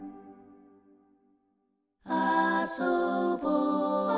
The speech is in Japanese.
「あそぼ」